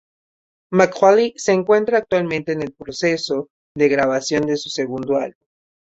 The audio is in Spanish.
McCauley se encuentra actualmente en el proceso de grabación de su segundo álbum.